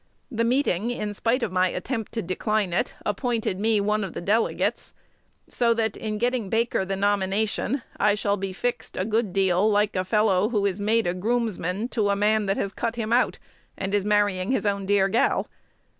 The meeting, in spite of my attempt to decline it, appointed me one of the delegates; so that, in getting Baker the nomination, I shall be fixed a good deal like a fellow who is made a groomsman to a man that has cut him out, and is marrying his own dear "gal."